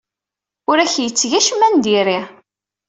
Ur ak-yetteg acemma n diri.